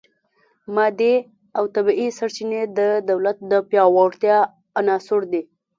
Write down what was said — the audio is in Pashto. مادي او طبیعي سرچینې د دولت د پیاوړتیا عناصر دي